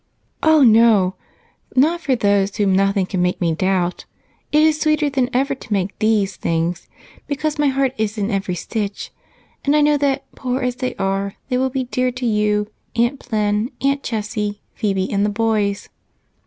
"Oh, no not for those whom nothing can make me doubt! It is sweeter than ever to make these things, because my heart is in every stitch and I know that, poor as they are, they will be dear to you, Aunty Plen, Aunt Jessie, Phebe, and the boys."